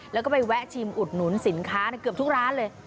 แล้วก็ไปแวะชิมอุดหนุนสินค้าเกือบทุกร้านเลย